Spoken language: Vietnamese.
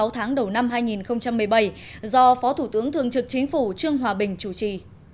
sáu tháng đầu năm hai nghìn một mươi bảy do phó thủ tướng thường trực chính phủ trương hòa bình chủ trì